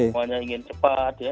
semuanya ingin cepat ya